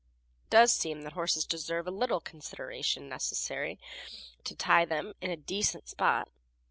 It does seem that horses deserve the little consideration necessary to tie them in a decent spot.